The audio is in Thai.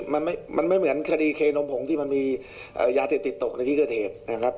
มันไม่มีมันไม่เหมือนคดีเคนมผงที่มันมีเอ่อยาติดติดตกในที่เกษตรนะครับ